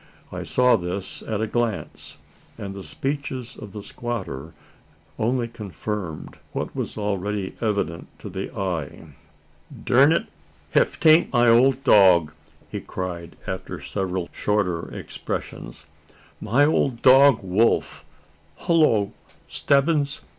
I saw this at a glance; and the speeches of the squatter only confirmed what was already evident to the eye. "Durn it, ef 'taint my ole dog!" cried he, after several shorter exclamations "my ole dog Wolf! Hullo, Stebbins!"